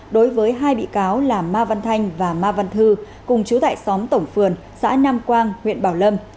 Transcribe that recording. đối với hai bị cáo là ma văn thanh và ma văn thư cùng chú tại xóm tổng phường xã nam quang huyện bảo lâm